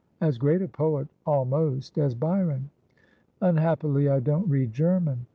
As great a poet, almost, as Byron.' ' Unhappily I don't read G erman.'